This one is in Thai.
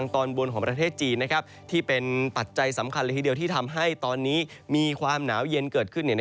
ที่เป็นปัจจัยสำคัญละทีเดียวที่ทำให้ตอนนี้มีความหนาวเย็นเกิดขึ้น